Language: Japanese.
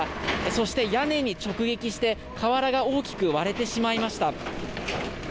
そして、屋根に直撃して瓦が大きく割れてしまいました。